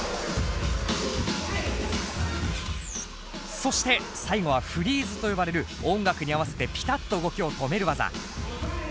そして最後はフリーズと呼ばれる音楽に合わせてピタッと動きを止める技。